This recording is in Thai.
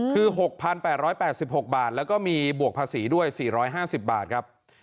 คือ๖๘๘๖บาทแล้วก็มีบวกภาษีด้วย๔๕๐บาทครับ